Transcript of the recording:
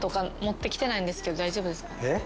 えっ？